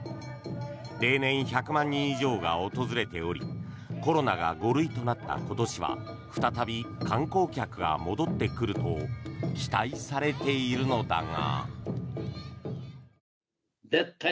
例年１００万人以上が訪れておりコロナが５類となった今年は再び観光客が戻ってくると期待されているのだが。